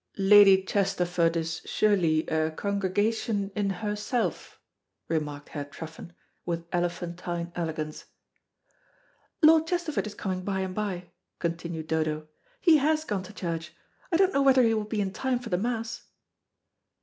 "Lady Chesterford is surely a congregation in herself," remarked Herr Truffen, with elephantine elegance. "Lord Chesterford is coming by and by," continued Dodo. "He has gone to church. I don't know whether he will be in time for the Mass."